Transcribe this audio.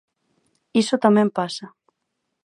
Iso tamén pasa.